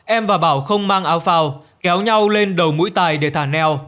em và bảo không mang áo phao kéo nhau lên đầu mũi tài để thả neo